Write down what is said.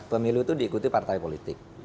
pemilu itu diikuti partai politik